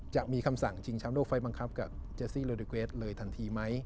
จะมีคำสั่งชิงช้ำโลกไฟล์บังคับกับเจซี่โลดิเกรสเลยทันทีไหม